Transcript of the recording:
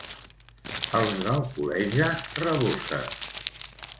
Els d'Alcoleja, raboses.